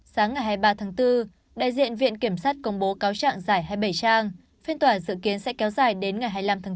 sáng ngày hai mươi ba tháng bốn đại diện viện kiểm sát công bố cáo trạng giải hai mươi bảy trang phiên tòa dự kiến sẽ kéo dài đến ngày hai mươi năm tháng bốn